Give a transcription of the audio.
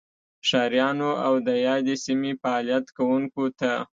ښاریانو او دیادې سیمې فعالیت کوونکو ته